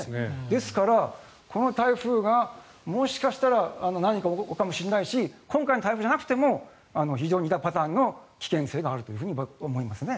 ですから、この台風がもしかしたら何か起こすかもしれないし今回の台風じゃなくても非常に似たパターンの危険性があると思いますね。